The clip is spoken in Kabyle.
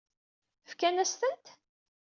Fkan-as-tent?